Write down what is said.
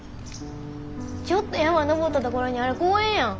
ちょっと山登った所にある公園やん。